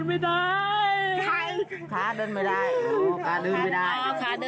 เป็นไรไปไม่ได้